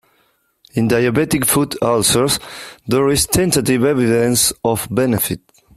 In diabetic foot ulcers there is tentative evidence of benefit.